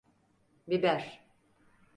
Biber.